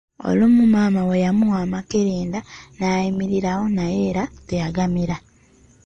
Olumu maama we yamuwa amakerenda naayimirirawo naye era teyagamira